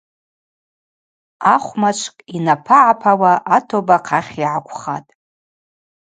Ахвмачвкӏ йнапагӏапауа Атоба ахъахь йгӏаквхатӏ.